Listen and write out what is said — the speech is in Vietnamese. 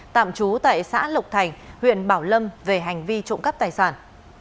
tạm trú tại xã lộc thành huyện bảo lâm về hành vi trộm cắp tài sản